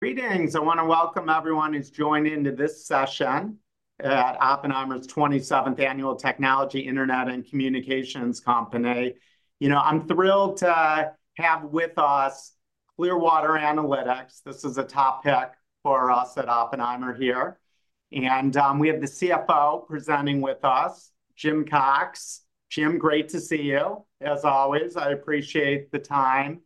Greetings! I wanna welcome everyone who's joined into this session at Oppenheimer's 27th Annual Technology, Internet, and Communications Conference. You know, I'm thrilled to have with us Clearwater Analytics. This is a top pick for us at Oppenheimer here. We have the CFO presenting with us, Jim Cox. Jim, great to see you. As always, I appreciate the time.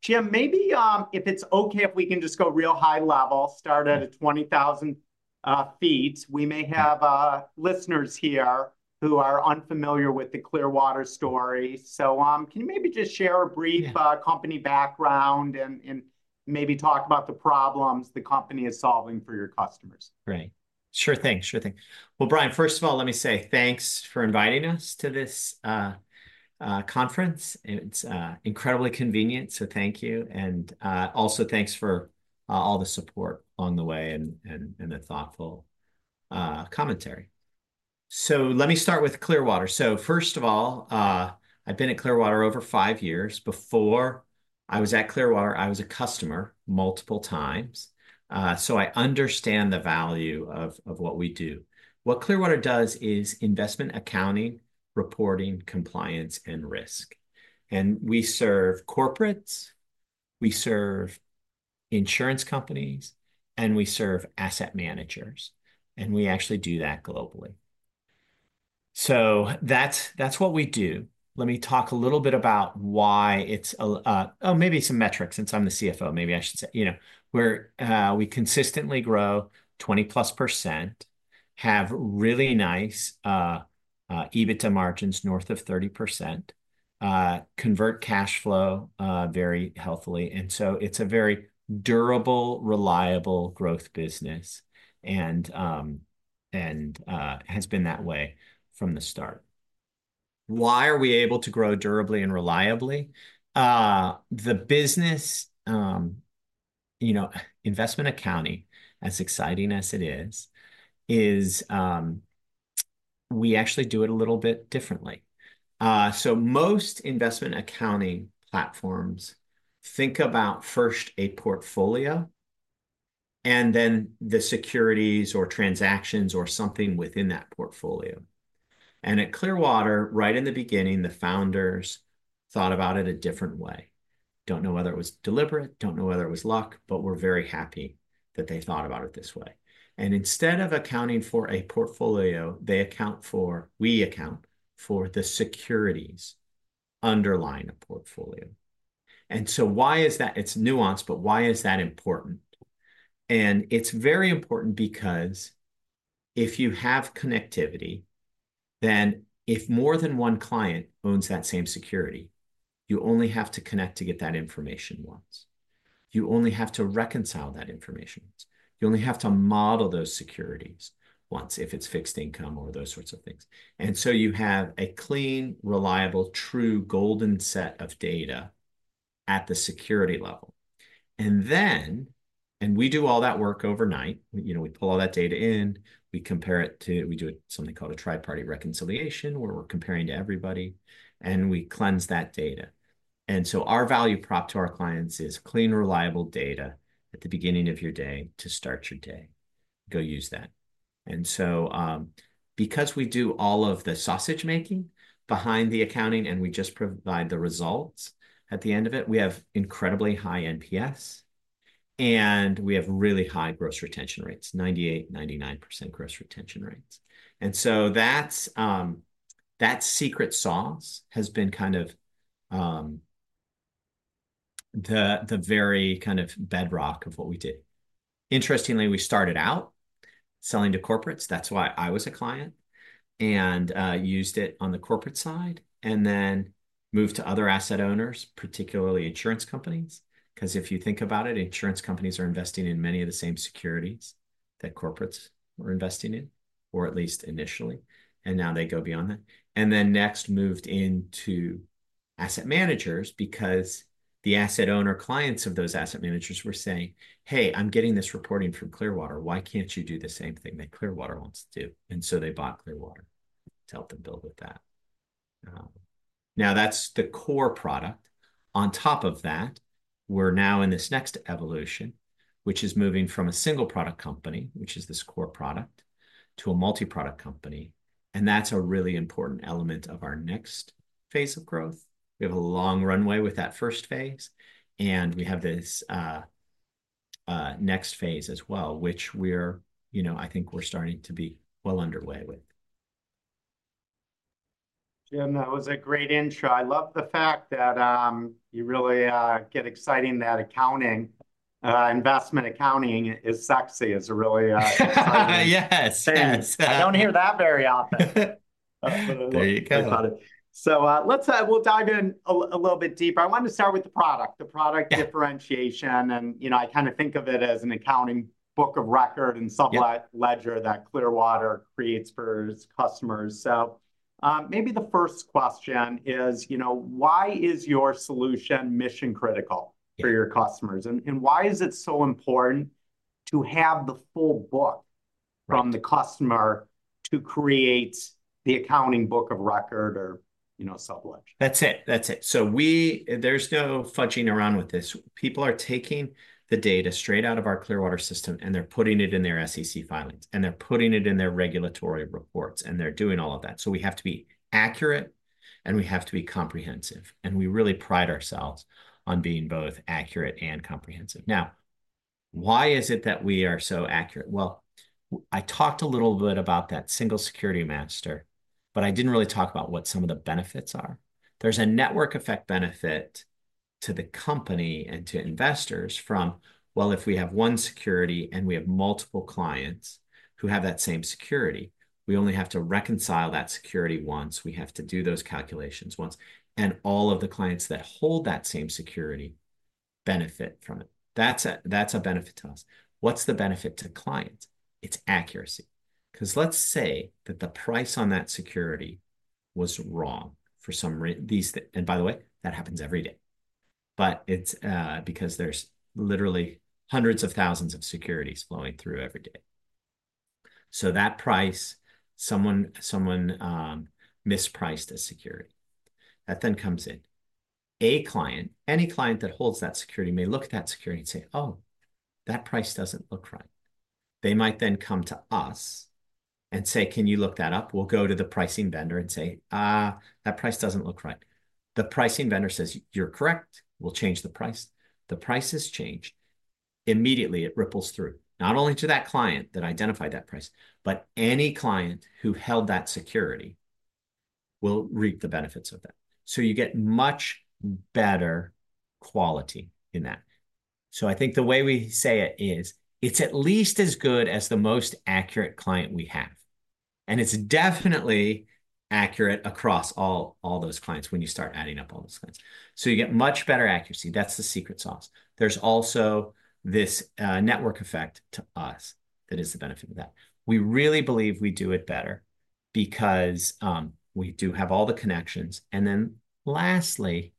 Jim, maybe if it's okay if we can just go real high level, start at 20,000 feet. We may have listeners here who are unfamiliar with the Clearwater story. Can you maybe just share a brief- Yeah company background and maybe talk about the problems the company is solving for your customers? Great. Sure thing, sure thing. Well, Brian, first of all, let me say thanks for inviting us to this conference. It's incredibly convenient, so thank you, and also thanks for all the support along the way and, and, and the thoughtful commentary. Let me start with Clearwater. First of all, I've been at Clearwater over five years. Before I was at Clearwater, I was a customer multiple times, so I understand the value of, of what we do. What Clearwater does is investment accounting, reporting, compliance, and risk. We serve corporates, we serve insurance companies, and we serve asset managers, and we actually do that globally. That's, that's what we do. Let me talk a little bit about why it's maybe some metrics. Since I'm the CFO, maybe I should say... You know, we consistently grow 20%+, have really nice EBITDA margins north of 30%, convert cash flow very healthily. And so it's a very durable, reliable growth business, and has been that way from the start. Why are we able to grow durably and reliably? The business, you know, investment accounting, as exciting as it is, we actually do it a little bit differently. So most investment accounting platforms think about first a portfolio, and then the securities or transactions or something within that portfolio. And at Clearwater, right in the beginning, the founders thought about it a different way. Don't know whether it was deliberate, don't know whether it was luck, but we're very happy that they thought about it this way. And instead of accounting for a portfolio, they account for - we account for the securities underlying a portfolio. And so why is that? It's nuanced, but why is that important? And it's very important because if you have connectivity, then if more than one client owns that same security, you only have to connect to get that information once. You only have to reconcile that information once. You only have to model those securities once, if it's fixed income or those sorts of things. And so you have a clean, reliable, true golden set of data at the security level. And then, and we do all that work overnight. You know, we pull all that data in, we compare it to - we do it something called a tri-party reconciliation, where we're comparing to everybody, and we cleanse that data. And so our value prop to our clients is clean, reliable data at the beginning of your day to start your day. Go use that. And so, because we do all of the sausage-making behind the accounting, and we just provide the results at the end of it, we have incredibly high NPS, and we have really high gross retention rates, 98%-99% gross retention rates. And so that's, that secret sauce has been kind of, the, the very kind of bedrock of what we do. Interestingly, we started out selling to corporates. That's why I was a client, and, used it on the corporate side, and then moved to other asset owners, particularly insurance companies. 'Cause if you think about it, insurance companies are investing in many of the same securities that corporates are investing in, or at least initially, and now they go beyond that. And then next moved into asset managers because the asset owner clients of those asset managers were saying, "Hey, I'm getting this reporting from Clearwater. Why can't you do the same thing that Clearwater wants to do?" And so they bought Clearwater to help them build with that. Now that's the core product. On top of that, we're now in this next evolution, which is moving from a single-product company, which is this core product, to a multi-product company, and that's a really important element of our next phase of growth. We have a long runway with that first phase, and we have this next phase as well, which you know, I think we're starting to be well underway with. Jim, that was a great intro. I love the fact that you really get exciting that accounting investment accounting is sexy, is a really Yes, yes. I don't hear that very often. There you go. So, let's, we'll dive in a little bit deeper. I want to start with the product. Yeah... differentiation, and, you know, I kind of think of it as an accounting book of record and- Yeah sub-ledger that Clearwater creates for its customers. So, maybe the first question is, you know, why is your solution mission-critical for your customers? And why is it so important to have the full book?... from the customer to create the accounting book of record or, you know, sub-ledger? That's it. That's it. So there's no fudging around with this. People are taking the data straight out of our Clearwater system, and they're putting it in their SEC filings, and they're putting it in their regulatory reports, and they're doing all of that. So we have to be accurate, and we have to be comprehensive, and we really pride ourselves on being both accurate and comprehensive. Now, why is it that we are so accurate? Well, I talked a little bit about that single security master, but I didn't really talk about what some of the benefits are. There's a network effect benefit to the company and to investors from, well, if we have one security, and we have multiple clients who have that same security, we only have to reconcile that security once. We have to do those calculations once. All of the clients that hold that same security benefit from it. That's a benefit to us. What's the benefit to the client? It's accuracy. 'Cause let's say that the price on that security was wrong. And by the way, that happens every day, but it's because there's literally hundreds of thousands of securities flowing through every day. So that price, someone mispriced a security. That then comes in. A client, any client that holds that security may look at that security and say, "Oh, that price doesn't look right." They might then come to us and say, "Can you look that up?" We'll go to the pricing vendor and say, "Ah, that price doesn't look right." The pricing vendor says, "You're correct. We'll change the price." The price is changed. Immediately it ripples through, not only to that client that identified that price, but any client who held that security will reap the benefits of that. So you get much better quality in that. So I think the way we say it is, it's at least as good as the most accurate client we have, and it's definitely accurate across all, all those clients when you start adding up all those clients. So you get much better accuracy. That's the secret sauce. There's also this, network effect to us that is the benefit of that. We really believe we do it better because, we do have all the connections. And then lastly,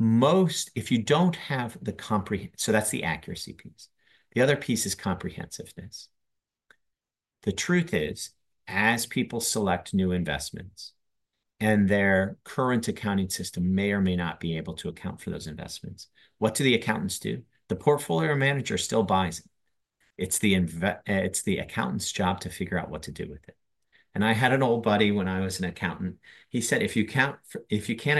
So that's the accuracy piece. The other piece is comprehensiveness. The truth is, as people select new investments, and their current accounting system may or may not be able to account for those investments, what do the accountants do? The portfolio manager still buys it. It's the accountant's job to figure out what to do with it. And I had an old buddy when I was an accountant, he said, "If you can't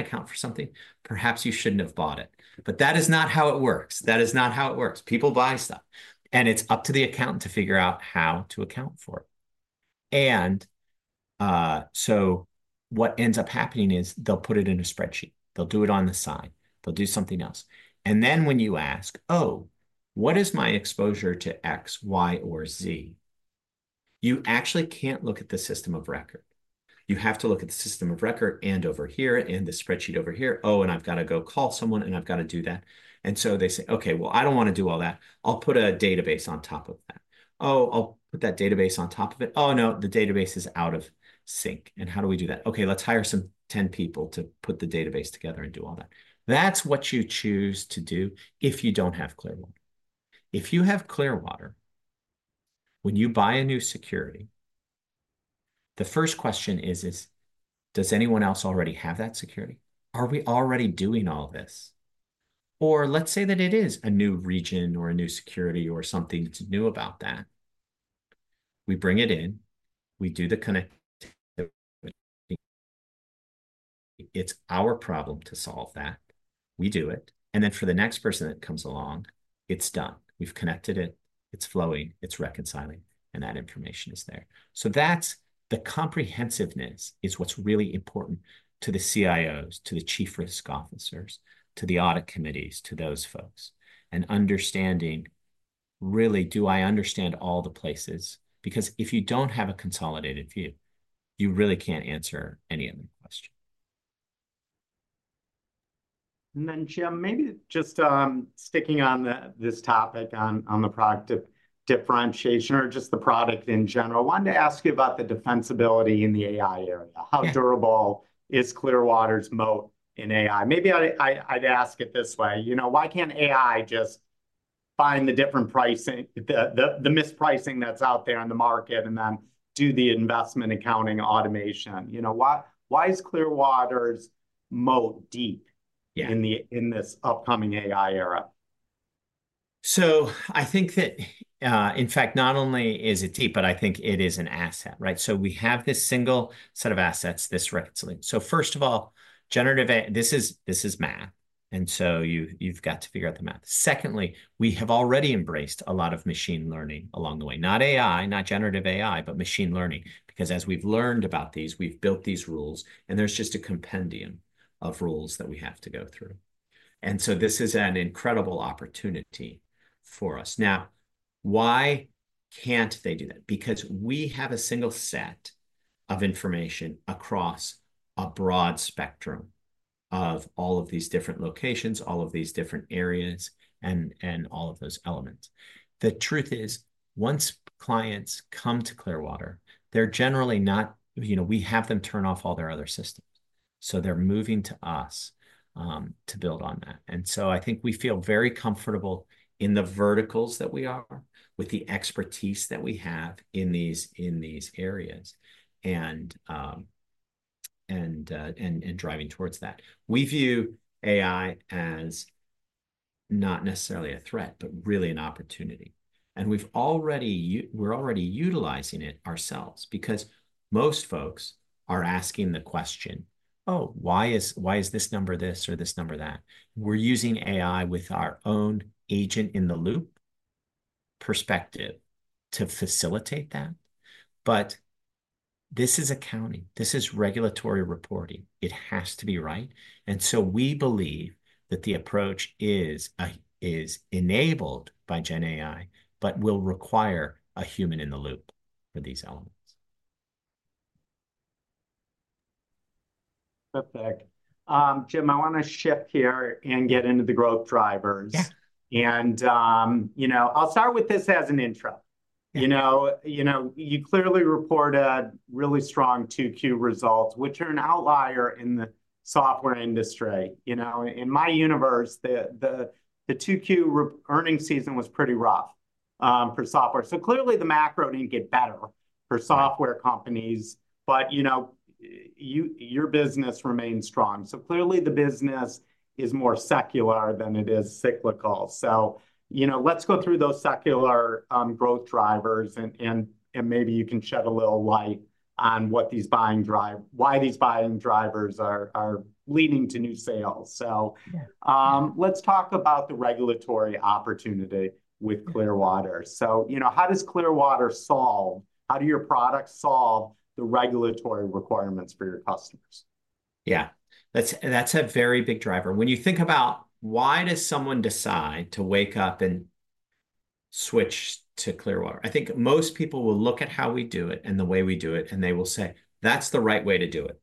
account for something, perhaps you shouldn't have bought it." But that is not how it works. That is not how it works. People buy stuff, and it's up to the accountant to figure out how to account for it. And, so what ends up happening is they'll put it in a spreadsheet. They'll do it on the side. They'll do something else. And then when you ask, "Oh, what is my exposure to X, Y, or Z?" You actually can't look at the system of record. You have to look at the system of record and over here, and the spreadsheet over here. "Oh, and I've gotta go call someone, and I've gotta do that." And so they say, "Okay, well, I don't wanna do all that. I'll put a database on top of that. Oh, I'll put that database on top of it. Oh, no, the database is out of sync, and how do we do that? Okay, let's hire some 10 people to put the database together and do all that." That's what you choose to do if you don't have Clearwater. If you have Clearwater, when you buy a new security, the first question is, is: Does anyone else already have that security? Are we already doing all of this? Or let's say that it is a new region or a new security or something's new about that. We bring it in. We do the connect. It's our problem to solve that. We do it, and then for the next person that comes along, it's done. We've connected it. It's flowing, it's reconciling, and that information is there. So that's the comprehensiveness is what's really important to the CIOs, to the chief risk officers, to the audit committees, to those folks, and understanding, really, do I understand all the places? Because if you don't have a consolidated view, you really can't answer any of the question. And then, Jim, maybe just sticking on this topic, on the product differentiation or just the product in general, wanted to ask you about the defensibility in the AI area. Yeah. How durable is Clearwater's moat in AI? Maybe I'd ask it this way, you know, why can't AI just find the different pricing, the mispricing that's out there on the market and then do the investment accounting automation? You know, why is Clearwater's moat deep- Yeah... in this upcoming AI era? So I think that, in fact, not only is it deep, but I think it is an asset, right? So we have this single set of assets, this reconciling. So first of all, generative AI. This is, this is math, and so you've got to figure out the math. Secondly, we have already embraced a lot of machine learning along the way, not AI, not generative AI, but machine learning, because as we've learned about these, we've built these rules, and there's just a compendium of rules that we have to go through. And so this is an incredible opportunity for us. Now, why can't they do that? Because we have a single set of information across a broad spectrum of all of these different locations, all of these different areas, and all of those elements. The truth is, once clients come to Clearwater, they're generally not... You know, we have them turn off all their other systems, so they're moving to us to build on that. And so I think we feel very comfortable in the verticals that we are, with the expertise that we have in these areas, and driving towards that. We view AI as not necessarily a threat, but really an opportunity, and we're already utilizing it ourselves because most folks are asking the question, "Oh, why is this number this or this number that?" We're using AI with our own agent-in-the-loop perspective to facilitate that, but this is accounting. This is regulatory reporting. It has to be right, and so we believe that the approach is enabled by gen AI but will require a human in the loop for these elements. Perfect. Jim, I wanna shift gear and get into the growth drivers. Yeah. You know, I'll start with this as an intro. Yeah. You know, you know, you clearly report a really strong 2Q results, which are an outlier in the software industry. You know, in my universe, the 2Q earnings season was pretty rough, for software, so clearly the macro didn't get better- Right... for software companies, but you know, your business remains strong. So clearly the business is more secular than it is cyclical. So you know, let's go through those secular growth drivers, and maybe you can shed a little light on what these buying drivers are, why these buying drivers are leading to new sales. So- Yeah. Let's talk about the regulatory opportunity with Clearwater. So, you know, how do your products solve the regulatory requirements for your customers? Yeah, that's, that's a very big driver. When you think about why does someone decide to wake up and switch to Clearwater, I think most people will look at how we do it and the way we do it, and they will say, "That's the right way to do it."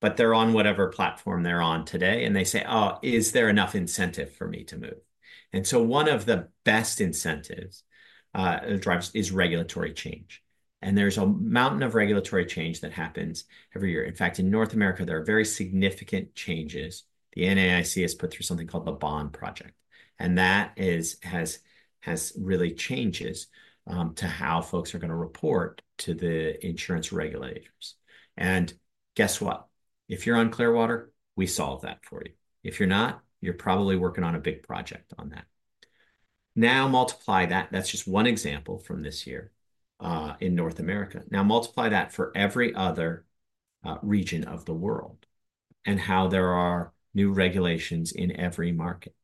But they're on whatever platform they're on today, and they say, "Oh, is there enough incentive for me to move?" And so one of the best incentives that drives is regulatory change, and there's a mountain of regulatory change that happens every year. In fact, in North America, there are very significant changes. The NAIC has put through something called the Bond Project, and that has really changed to how folks are gonna report to the insurance regulators. And guess what? If you're on Clearwater, we solve that for you. If you're not, you're probably working on a big project on that. Now multiply that. That's just one example from this year in North America. Now multiply that for every other region of the world, and how there are new regulations in every market.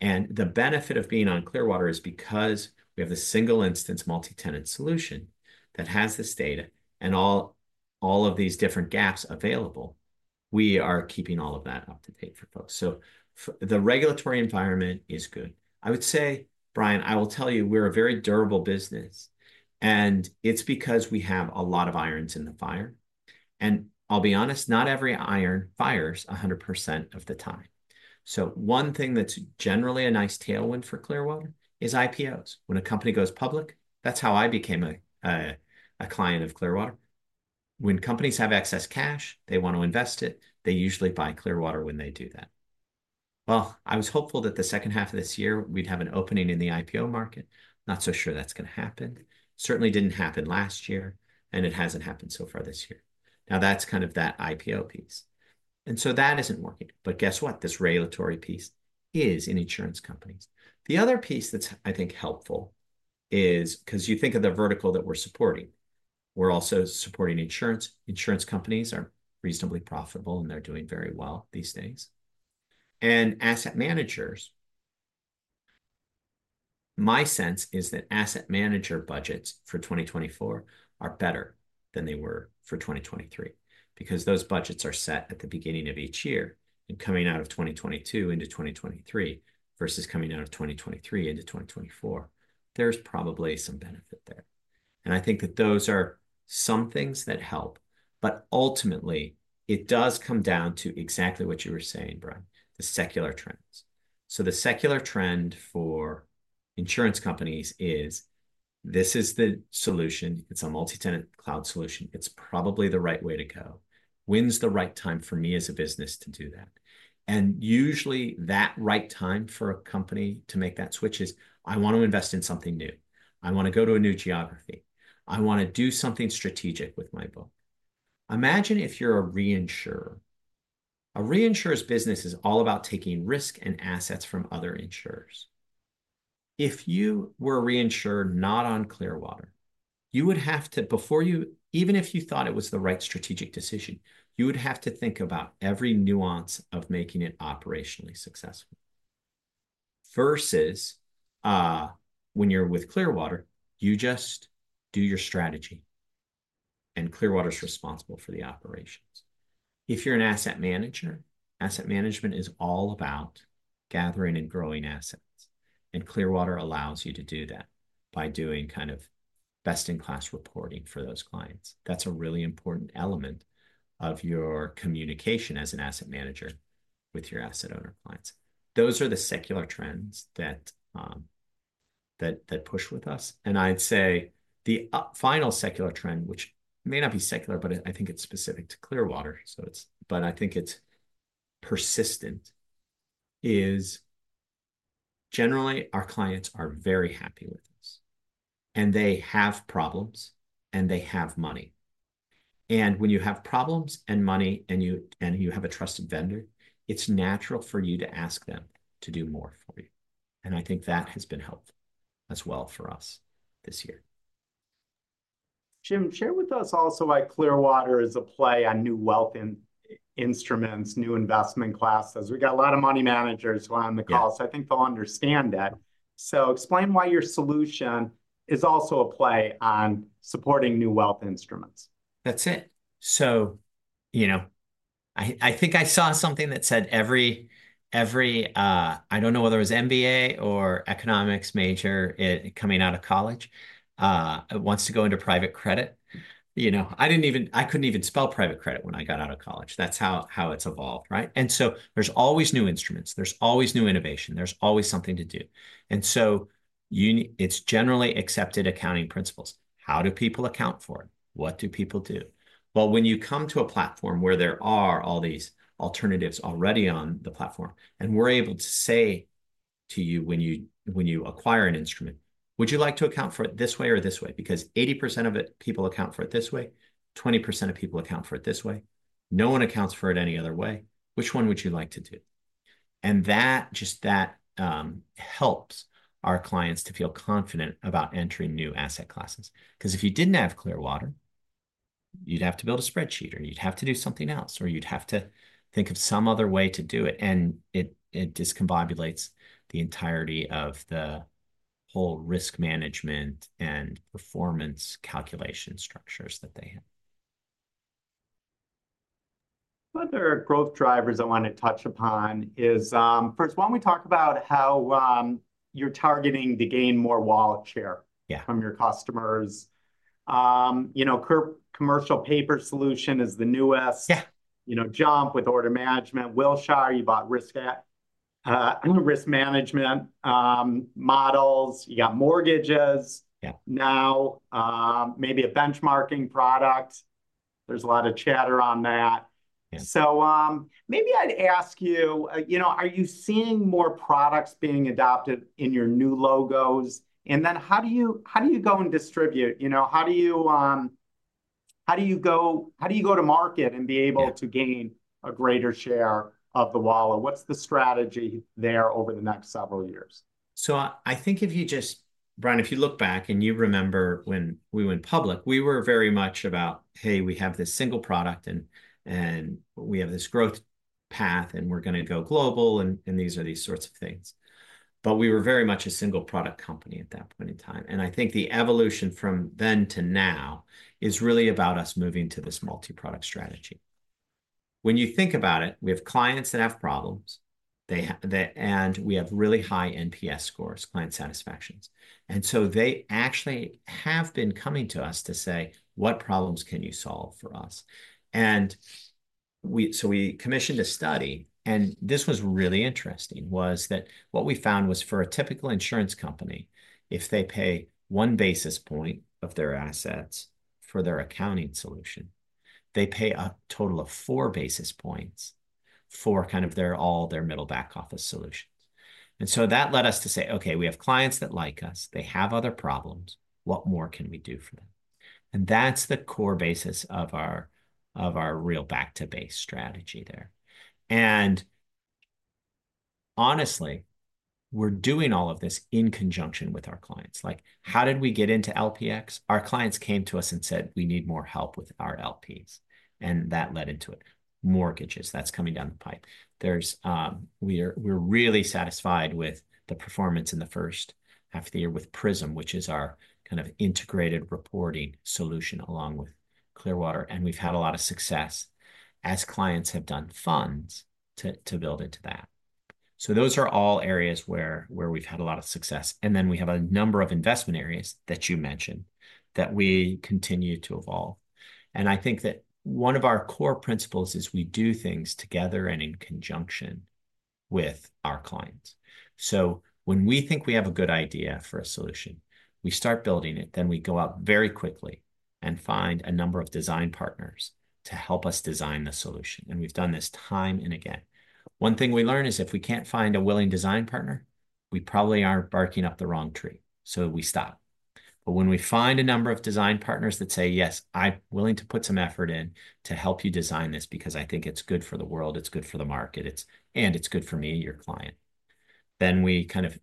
And the benefit of being on Clearwater is because we have the single-instance, multi-tenant solution that has this data and all, all of these different gaps available, we are keeping all of that up to date for folks. So the regulatory environment is good. I would say, Brian, I will tell you, we're a very durable business, and it's because we have a lot of irons in the fire. And I'll be honest, not every iron fires 100% of the time. So one thing that's generally a nice tailwind for Clearwater is IPOs. When a company goes public, that's how I became a client of Clearwater. When companies have excess cash, they want to invest it, they usually buy Clearwater when they do that. Well, I was hopeful that the second half of this year we'd have an opening in the IPO market. Not so sure that's gonna happen. Certainly didn't happen last year, and it hasn't happened so far this year. Now, that's kind of that IPO piece, and so that isn't working. But guess what? This regulatory piece is in insurance companies. The other piece that's, I think, helpful is, 'cause you think of the vertical that we're supporting, we're also supporting insurance. Insurance companies are reasonably profitable, and they're doing very well these days. And asset managers, my sense is that asset manager budgets for 2024 are better than they were for 2023. Because those budgets are set at the beginning of each year, and coming out of 2022 into 2023 versus coming out of 2023 into 2024, there's probably some benefit there. And I think that those are some things that help, but ultimately, it does come down to exactly what you were saying, Brian, the secular trends. So the secular trend for insurance companies is: This is the solution. It's a multi-tenant cloud solution. It's probably the right way to go. When's the right time for me as a business to do that? And usually, that right time for a company to make that switch is, "I want to invest in something new. I want to go to a new geography. I want to do something strategic with my book." Imagine if you're a reinsurer. A reinsurer's business is all about taking risk and assets from other insurers. If you were a reinsurer not on Clearwater, you would have to, before you even if you thought it was the right strategic decision, you would have to think about every nuance of making it operationally successful. Versus, when you're with Clearwater, you just do your strategy, and Clearwater's responsible for the operations. If you're an asset manager, asset management is all about gathering and growing assets, and Clearwater allows you to do that by doing kind of best-in-class reporting for those clients. That's a really important element of your communication as an asset manager with your asset owner clients. Those are the secular trends that push with us. I'd say the final secular trend, which may not be secular, but I think it's specific to Clearwater, so it's, but I think it's persistent, is generally our clients are very happy with us, and they have problems, and they have money. When you have problems and money, and you have a trusted vendor, it's natural for you to ask them to do more for you, and I think that has been helpful as well for us this year. Jim, share with us also why Clearwater is a play on new wealth in instruments, new investment classes. We've got a lot of money managers who are on the call- Yeah so I think they'll understand that. Explain why your solution is also a play on supporting new wealth instruments. That's it. So, you know, I think I saw something that said every MBA or economics major coming out of college wants to go into private credit. You know, I didn't even, I couldn't even spell private credit when I got out of college. That's how it's evolved, right? And so there's always new instruments, there's always new innovation, there's always something to do. And so you, it's generally accepted accounting principles. How do people account for it? What do people do? Well, when you come to a platform where there are all these alternatives already on the platform, and we're able to say to you, "When you acquire an instrument, would you like to account for it this way or this way? Because 80% of it, people account for it this way, 20% of people account for it this way. No one accounts for it any other way. Which one would you like to do?" And that, just that, helps our clients to feel confident about entering new asset classes. 'Cause if you didn't have Clearwater, you'd have to build a spreadsheet, or you'd have to do something else, or you'd have to think of some other way to do it, and it, it discombobulates the entirety of the whole risk management and performance calculation structures that they have. Other growth drivers I want to touch upon is, first, why don't we talk about how you're targeting to gain more wallet share- Yeah... from your customers? You know, Commercial Paper Solution is the newest. Yeah. You know, JUMP with order management. Wilshire, you bought risk management models. You got mortgages- Yeah now, maybe a benchmarking product. There's a lot of chatter on that. Yeah. So, maybe I'd ask you, you know, are you seeing more products being adopted in your new logos? And then how do you go and distribute? You know, how do you go to market and be able- Yeah to gain a greater share of the wallet? What's the strategy there over the next several years? So I think if you just... Brian, if you look back and you remember when we went public, we were very much about, "Hey, we have this single product, and we have this growth path, and we're gonna go global, and these are these sorts of things." But we were very much a single product company at that point in time. And I think the evolution from then to now is really about us moving to this multi-product strategy. When you think about it, we have clients that have problems, they- and we have really high NPS scores, client satisfactions. And so they actually have been coming to us to say, "What problems can you solve for us?" So we commissioned a study, and this was really interesting: what we found was for a typical insurance company, if they pay one basis point of their assets for their accounting solution, they pay a total of four basis points for kind of their all, their middle back office solutions. And so that led us to say, "Okay, we have clients that like us. They have other problems. What more can we do for them?" And that's the core basis of our, of our real back to base strategy there. And honestly, we're doing all of this in conjunction with our clients. Like, how did we get into LPx? Our clients came to us and said, "We need more help with our LPs," and that led into it. Mortgages, that's coming down the pipe. There's... We're really satisfied with the performance in the first half of the year with Prism, which is our kind of integrated reporting solution, along with Clearwater, and we've had a lot of success as clients have done funds to build into that. So those are all areas where we've had a lot of success. And then we have a number of investment areas that you mentioned, that we continue to evolve. And I think that one of our core principles is we do things together and in conjunction with our clients. So when we think we have a good idea for a solution, we start building it, then we go out very quickly and find a number of design partners to help us design the solution, and we've done this time and again. One thing we learn is if we can't find a willing design partner, we probably are barking up the wrong tree, so we stop. But when we find a number of design partners that say: "Yes, I'm willing to put some effort in to help you design this because I think it's good for the world, it's good for the market, and it's good for me, your client," then we kind of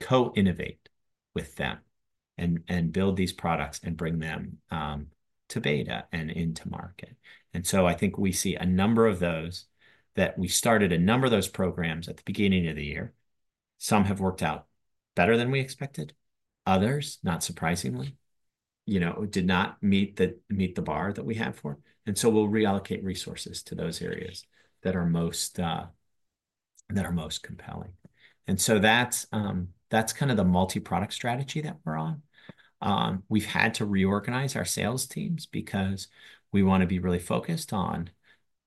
co-innovate with them and build these products and bring them to beta and into market. And so I think we see a number of those, that we started a number of those programs at the beginning of the year. Some have worked out better than we expected. Others, not surprisingly, you know, did not meet the bar that we have for. We'll reallocate resources to those areas that are most compelling. So that's kind of the multi-product strategy that we're on. We've had to reorganize our sales teams because we wanna be really focused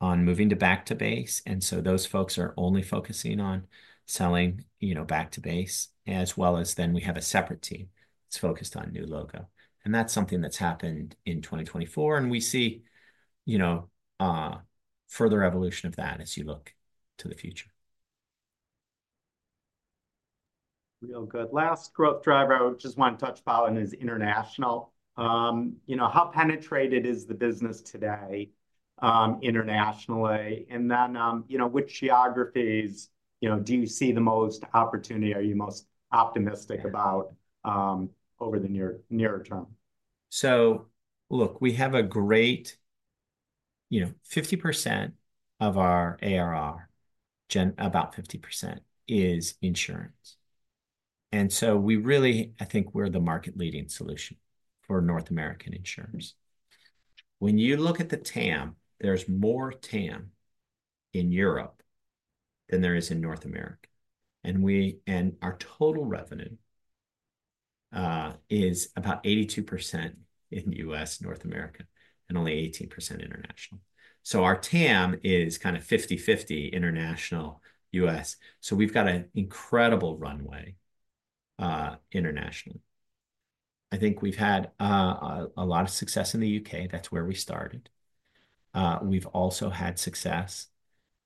on moving to back to base, and so those folks are only focusing on selling, you know, back to base, as well as then we have a separate team that's focused on new logo. And that's something that's happened in 2024, and we see, you know, further evolution of that as you look to the future. Real good. Last growth driver I just wanna touch about on is international. You know, how penetrated is the business today, internationally? And then, you know, which geographies, you know, do you see the most opportunity, are you most optimistic about, over the near- nearer term? So look, we have a great... You know, 50% of our ARR, about 50% is insurance. And so we really, I think we're the market-leading solution for North American insurers. When you look at the TAM, there's more TAM in Europe than there is in North America, and our total revenue is about 82% in U.S., North America, and only 18% international. So our TAM is kind of 50/50 international U.S., so we've got an incredible runway internationally. I think we've had a lot of success in the U.K. That's where we started. We've also had success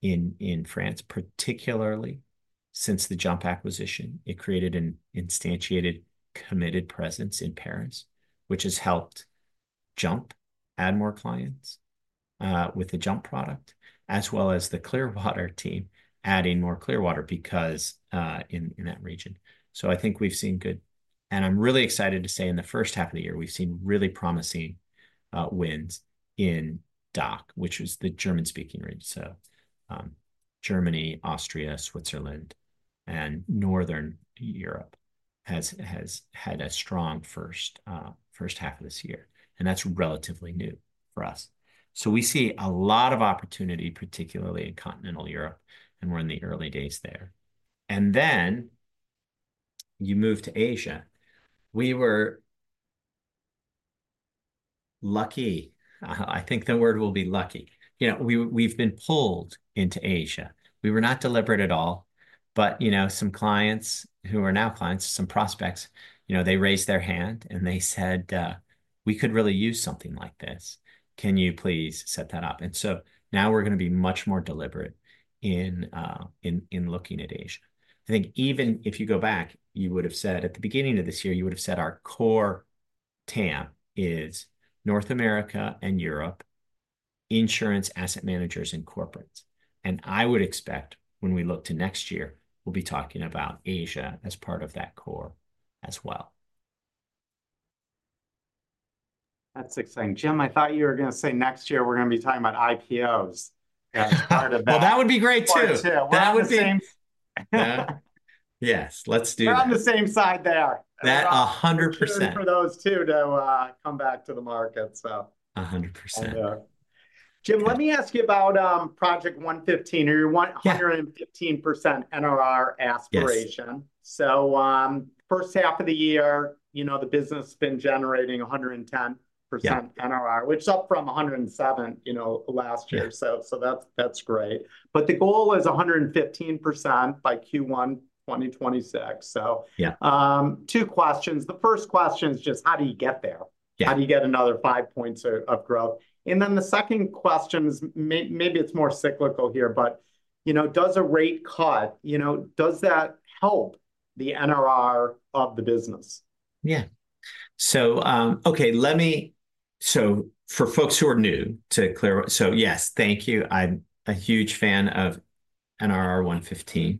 in France, particularly since the JUMP acquisition. It created an instantiated, committed presence in Paris, which has helped JUMP add more clients with the JUMP product, as well as the Clearwater team adding more Clearwater because in that region. So I think we've seen good. And I'm really excited to say in the first half of the year, we've seen really promising wins in DACH, which is the German-speaking region. So Germany, Austria, Switzerland, and Northern Europe has had a strong first half of this year, and that's relatively new for us. So we see a lot of opportunity, particularly in continental Europe, and we're in the early days there. And then you move to Asia. We were lucky. I think the word will be lucky. You know, we, we've been pulled into Asia. We were not deliberate at all, but, you know, some clients who are now clients, some prospects, you know, they raised their hand, and they said, "We could really use something like this. Can you please set that up?" And so now we're gonna be much more deliberate in, in, in looking at Asia. I think even if you go back, you would've said, at the beginning of this year, you would've said, "Our core TAM is North America and Europe, insurance, asset managers, and corporates." And I would expect when we look to next year, we'll be talking about Asia as part of that core as well. That's exciting. Jim, I thought you were gonna say next year we're gonna be talking about IPOs- Yeah. as part of that. Well, that would be great, too. Part two. That would be- We're on the same... Yeah. Yes, let's do that. We're on the same side there. That a 100%. rooting for those two to come back to the market, so- 100% Yeah. Jim, let me ask you about Project 115 or your one- Yeah 115% NRR aspiration. Yes. First half of the year, you know, the business has been generating 110%- Yeah NRR, which is up from 107, you know, last year. Yeah. So that's great. But the goal is 115% by Q1 2026. So- Yeah two questions. The first question is just, how do you get there? Yeah. How do you get another five points of growth? And then the second question is, maybe it's more cyclical here, but, you know, does a rate cut, you know, does that help the NRR of the business? Yeah. So for folks who are new to Clearwater, so, yes, thank you. I'm a huge fan of NRR 115.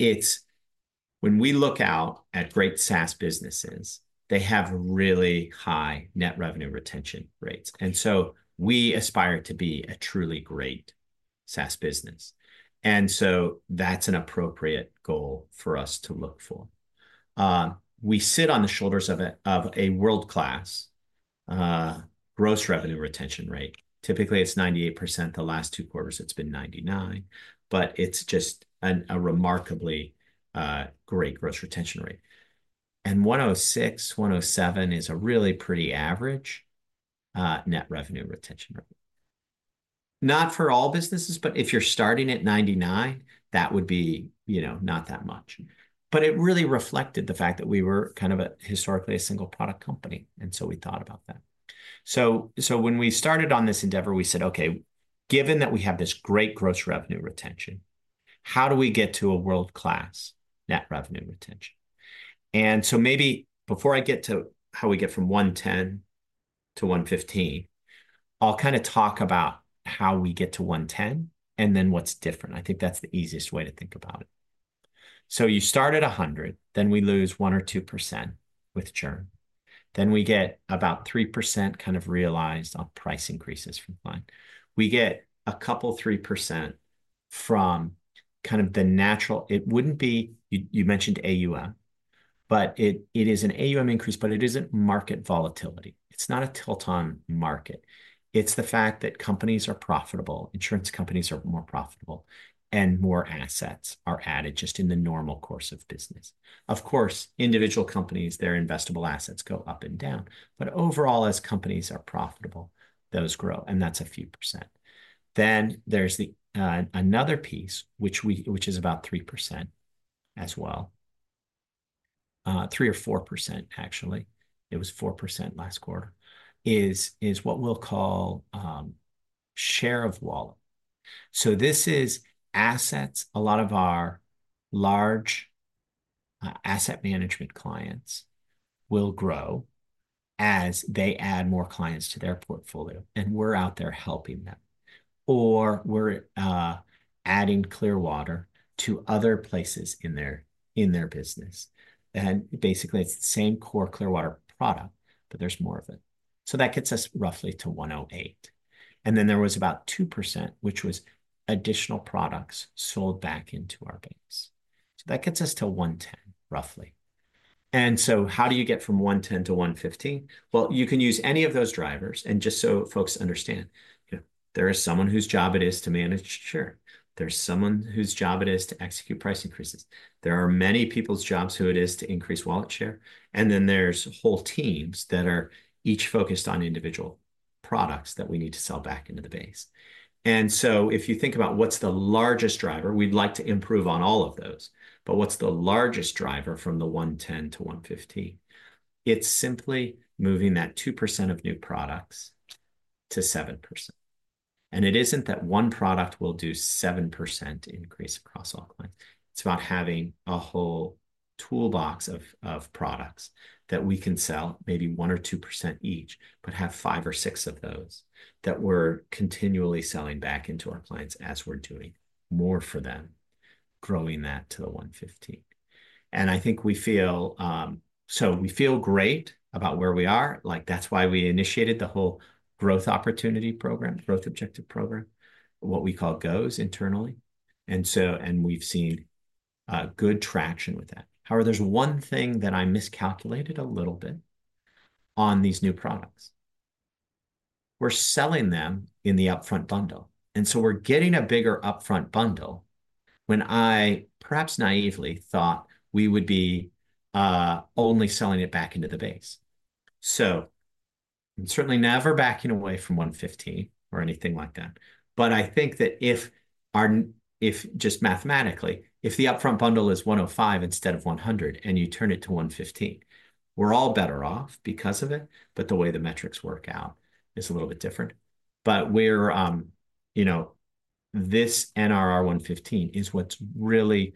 It's when we look out at great SaaS businesses, they have really high net revenue retention rates, and so we aspire to be a truly great SaaS business. And so that's an appropriate goal for us to look for. We sit on the shoulders of a world-class gross revenue retention rate. Typically, it's 98%. The last two quarters, it's been 99%, but it's just a remarkably great gross retention rate. And 106, 107 is a really pretty average net revenue retention rate. Not for all businesses, but if you're starting at 99, that would be, you know, not that much. But it really reflected the fact that we were kind of historically a single-product company, and so we thought about that. So when we started on this endeavor, we said, "Okay, given that we have this great gross revenue retention, how do we get to a world-class net revenue retention?" And so maybe before I get to how we get from 110 to 115, I'll kind of talk about how we get to 110 and then what's different. I think that's the easiest way to think about it. So you start at 100, then we lose 1%-2% with churn, then we get about 3% kind of realized on price increases from client. We get a couple, 3% from kind of the natural... It wouldn't be, you, you mentioned AUM-... but it is an AUM increase, but it isn't market volatility. It's not a tilt in market. It's the fact that companies are profitable, insurance companies are more profitable, and more assets are added just in the normal course of business. Of course, individual companies, their investable assets go up and down, but overall, as companies are profitable, those grow, and that's a few percent. Then there's the another piece, which is about 3% as well, 3%-4%, actually, it was 4% last quarter, is what we'll call share of wallet. So this is assets. A lot of our large asset management clients will grow as they add more clients to their portfolio, and we're out there helping them. Or we're adding Clearwater to other places in their business. And basically, it's the same core Clearwater product, but there's more of it. So that gets us roughly to 108. And then there was about 2%, which was additional products sold back into our base. So that gets us to 110, roughly. And so how do you get from 110 to 115? Well, you can use any of those drivers, and just so folks understand, you know, there is someone whose job it is to manage share. There's someone whose job it is to execute price increases. There are many people's jobs who it is to increase wallet share, and then there's whole teams that are each focused on individual products that we need to sell back into the base. If you think about what's the largest driver, we'd like to improve on all of those, but what's the largest driver from the 110 to 115? It's simply moving that 2% of new products to 7%. It isn't that one product will do 7% increase across all clients. It's about having a whole toolbox of products that we can sell, maybe 1% or 2% each, but have 5 or 6 of those that we're continually selling back into our clients as we're doing more for them, growing that to the 115. I think we feel great about where we are, like, that's why we initiated the whole growth opportunity program, growth objective program, what we call GOs internally, and we've seen good traction with that. However, there's one thing that I miscalculated a little bit on these new products. We're selling them in the upfront bundle, and so we're getting a bigger upfront bundle when I, perhaps naively, thought we would be only selling it back into the base. So I'm certainly never backing away from 115 or anything like that, but I think that if just mathematically, if the upfront bundle is 105 instead of 100, and you turn it to 115, we're all better off because of it, but the way the metrics work out is a little bit different. But we're. You know, this NRR 115 is what's really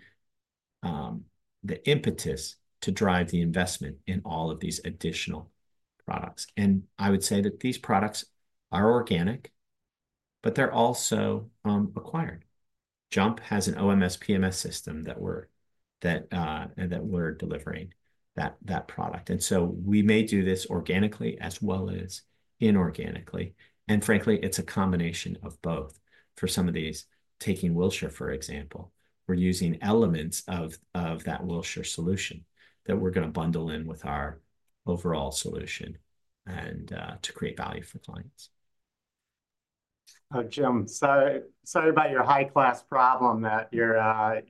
the impetus to drive the investment in all of these additional products. And I would say that these products are organic, but they're also acquired. JUMP has an OMS/PMS system that we're delivering that product. And so we may do this organically as well as inorganically, and frankly, it's a combination of both for some of these. Taking Wilshire, for example, we're using elements of that Wilshire solution that we're gonna bundle in with our overall solution and to create value for clients. Jim, sorry about your high-class problem, that your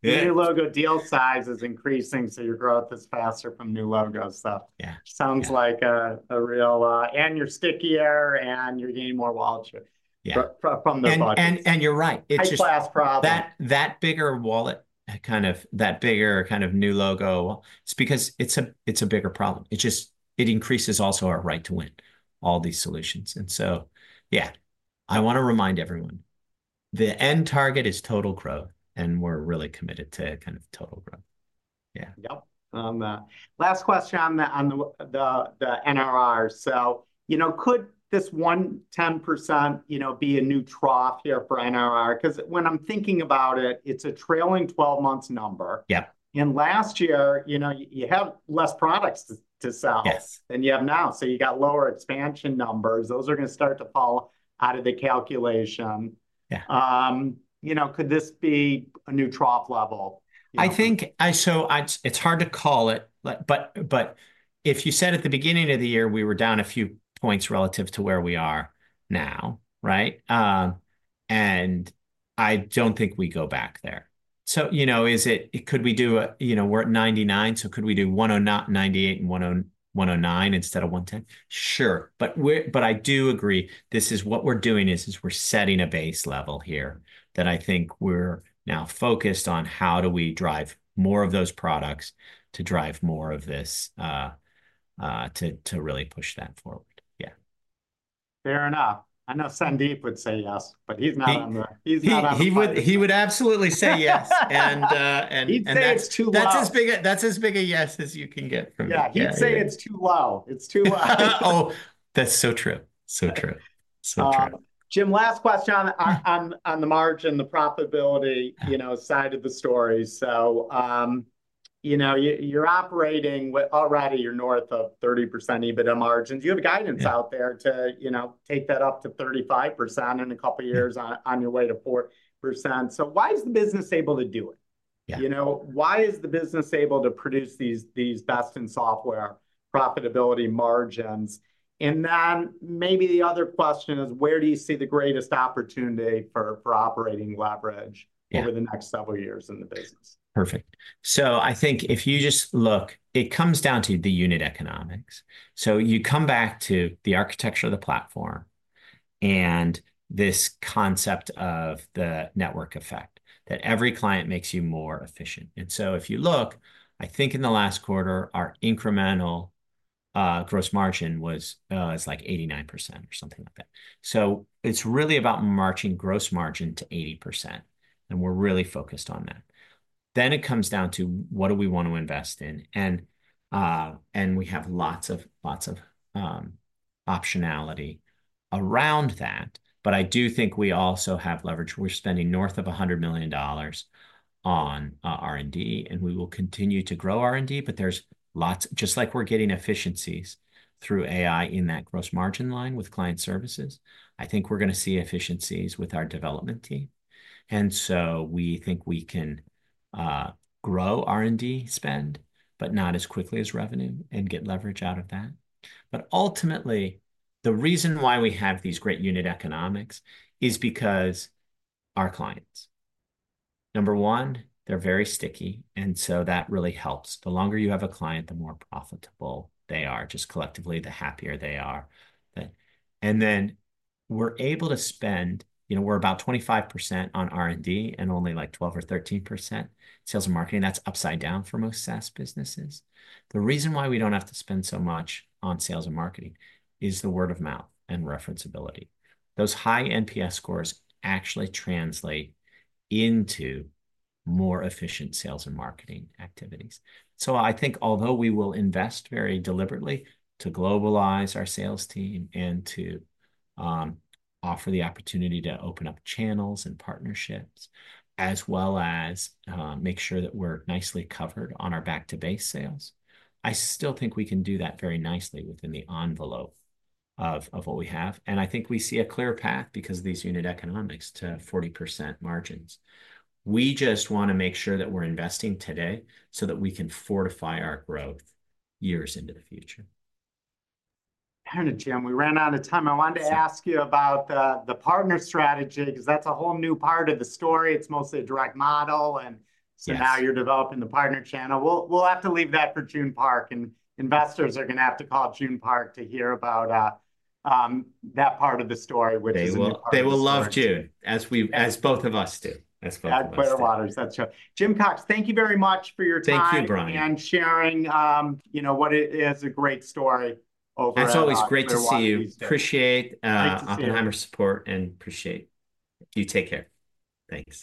new logo deal size is increasing, so your growth is faster from new logo stuff. Yeah. Sounds like a real. And you're stickier, and you're gaining more wallet share- Yeah from the budget. And you're right. It's just- High-class problem that bigger wallet, kind of that bigger kind of new logo, it's because it's a bigger problem. It just increases also our right to win all these solutions. And so, yeah, I wanna remind everyone, the end target is total growth, and we're really committed to kind of total growth. Yeah. Yep. Last question on the NRR. So, you know, could this 110%, you know, be a new trough here for NRR? 'Cause when I'm thinking about it, it's a trailing 12-month number. Yeah. Last year, you know, you have less products to sell. Yes than you have now, so you got lower expansion numbers. Those are gonna start to fall out of the calculation. Yeah. you know, could this be a new trough level, you know? I think, so it's hard to call it, but if you said at the beginning of the year we were down a few points relative to where we are now, right? And I don't think we go back there. So, you know, could we do a. You know, we're at 99, so could we do 198 and 109 instead of 110? Sure, but but I do agree, this is what we're doing, is, is we're setting a base level here, that I think we're now focused on how do we drive more of those products to drive more of this, to really push that forward. Yeah. Fair enough. I know Sandeep would say yes, but he's not on the- He- He's not on the podcast. He would, he would absolutely say yes. And that's- He'd say it's too low. That's as big a yes as you can get from me. Yeah. Yeah. He'd say it's too low. It's too low. Oh, that's so true. So true. Yeah. So true. Jim, last question on the margin, the profitability- Yeah you know, side of the story. So, you know, you're operating with... Already you're north of 30% EBITDA margins. Yeah. You have a guidance out there to, you know, take that up to 35% in a couple of years on your way to 4%. So why is the business able to do it? You know, why is the business able to produce these best-in-software profitability margins? And then maybe the other question is, where do you see the greatest opportunity for operating leverage? Yeah over the next several years in the business? Perfect. So I think if you just look, it comes down to the unit economics. So you come back to the architecture of the platform and this concept of the network effect, that every client makes you more efficient. And so if you look, I think in the last quarter, our incremental gross margin was, it's like 89% or something like that. So it's really about marching gross margin to 80%, and we're really focused on that. Then it comes down to, what do we want to invest in? And, and we have lots of, lots of optionality around that. But I do think we also have leverage. We're spending north of $100 million on R&D, and we will continue to grow R&D, but there's lots—just like we're getting efficiencies through AI in that gross margin line with client services, I think we're gonna see efficiencies with our development team. So we think we can grow R&D spend, but not as quickly as revenue, and get leverage out of that. But ultimately, the reason why we have these great unit economics is because our clients. Number one, they're very sticky, and so that really helps. The longer you have a client, the more profitable they are. Just collectively, the happier they are. And then we're able to spend. You know, we're about 25% on R&D and only, like, 12% or 13% sales and marketing. That's upside down for most SaaS businesses. The reason why we don't have to spend so much on sales and marketing is the word of mouth and referenceability. Those high NPS scores actually translate into more efficient sales and marketing activities. So I think although we will invest very deliberately to globalize our sales team and to offer the opportunity to open up channels and partnerships, as well as make sure that we're nicely covered on our back-to-base sales, I still think we can do that very nicely within the envelope of what we have. And I think we see a clear path, because of these unit economics, to 40% margins. We just wanna make sure that we're investing today so that we can fortify our growth years into the future. Damn it, Jim, we ran out of time. Yes. I wanted to ask you about the partner strategy, 'cause that's a whole new part of the story. It's mostly a direct model, and- Yes So now you're developing the partner channel. We'll have to leave that for Joon Park, and investors are gonna have to call Joon Park to hear about that part of the story, which is an important part of the story. They will love Joon, as both of us do. At Clearwater. That's right. Jim Cox, thank you very much for your time. Thank you, Brian. and sharing, you know, what is a great story over at- It's always great to see you. Clearwater these days. Appreciate, uh- Great to see you. Oppenheimer's support, and appreciate you. Take care. Thanks.